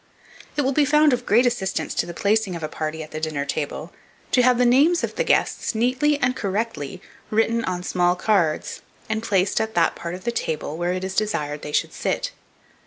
It will be found of great assistance to the placing of a party at the dinner table, to have the names of the guests neatly (and correctly) written on small cards, and placed at that part of the table where it is desired they should sit.